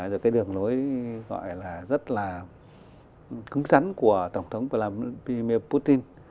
được cái đường lối gọi là rất là cứng rắn của tổng thống vladimir putin